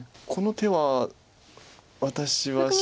この手は私は。